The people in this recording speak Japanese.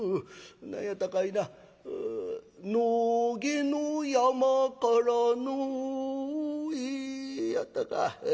何やったかいな野毛の山からノーエやったか。